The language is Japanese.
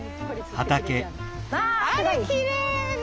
あらっきれいな。